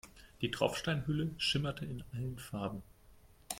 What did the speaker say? Die Tropfsteinhöhle schimmerte in allen Farben.